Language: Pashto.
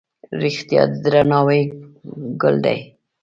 ښایست د درناوي ګل دی